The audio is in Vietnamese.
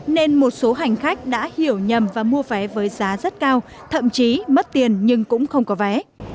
nên một số hành khách đã hiểu nhầm và mua vé với giá rất cao thậm chí mất tiền nhưng cũng không có vé